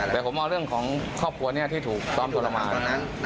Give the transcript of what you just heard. แต่ผมเอาเรื่องของครอบครัวเนี่ยที่ถูกต้อนตรมาน